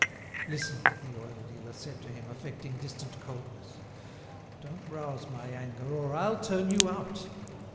"Listen," the oil dealer said to him, affecting distant coldness; "don't rouse my anger, or I'll turn you out.